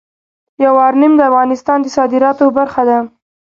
یورانیم د افغانستان د صادراتو برخه ده.